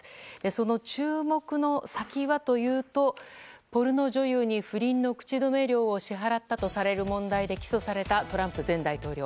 その注目の先はというとポルノ女優に不倫の口止め料を支払ったとされる問題で起訴された、トランプ前大統領。